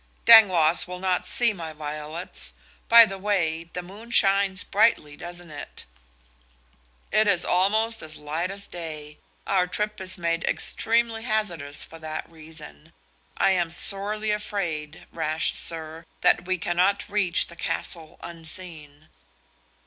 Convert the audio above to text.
"Dangloss will not see my violets. By the way, the moon shines brightly, doesn't it?" "It is almost as light as day. Our trip is made extremely hazardous for that reason. I am sorely afraid, rash sir, that we cannot reach the castle unseen."